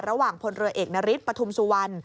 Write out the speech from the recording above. ระหว่างพลเรือเอกนฤทธิปฐุมสุวรรณ